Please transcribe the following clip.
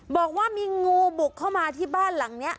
บอกว่ามีงูบุกเข้ามาที่บ้านหลังนี้